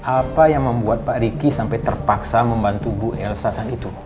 apa yang membuat pak riki sampai terpaksa membantu bu elsa sang itu